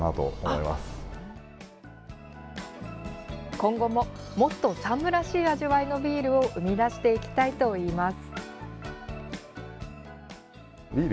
今後も、もっと山武らしい味わいのビールを生み出していきたいといいます。